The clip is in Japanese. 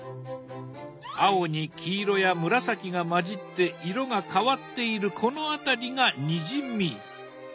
青に黄色や紫が混じって色が変わっているこの辺りが「にじみ」。